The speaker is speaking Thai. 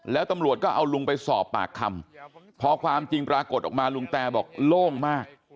แล้วตำรวจก็เอาลุงไปสอบปากคำพอความจริงปรากฏออกมาลุงแตบอกโล่งมาก